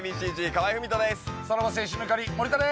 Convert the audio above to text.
河合郁人です。